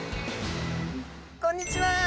こんにちは。